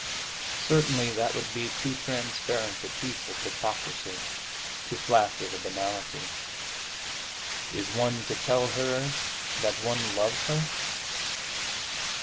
Certainly that would be too transparent a piece of hypocrisy, too flaccid a banality. Is one to tell her that one loves her?